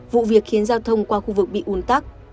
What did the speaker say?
vụ việc khiến giao thông qua khu vực bị ủn tắc